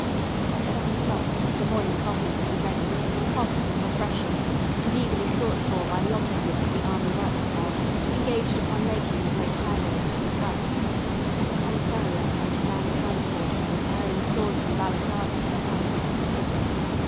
By seven o'clock the morning coffee would be ready, hot and refreshing, and eagerly sought for by the officers of the Army Works Corps engaged upon making the great high road to the front, and the Commissariat and Land Transport men carrying stores from Balaclava to the heights.